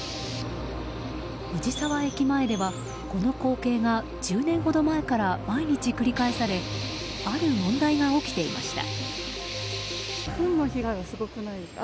藤沢駅までは、この光景が１０年ほど前から毎日繰り返されある問題が起きていました。